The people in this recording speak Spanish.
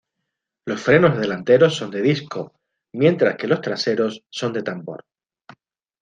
Los frenos delanteros son de disco, mientras que los traseros son de tambor.